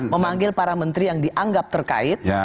memanggil para menteri yang dianggap terkait